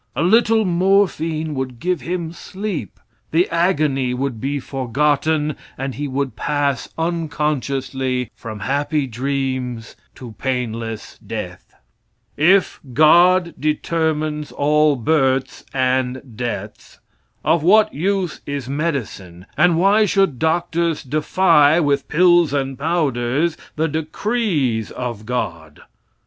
A little morphine would give him sleep the agony would be forgotten and he would pass unconsciously from happy dreams to painless death. If "God" determines all births and deaths, of what use is medicine, and why should doctors defy, with pills and powders, the decrees of "God"?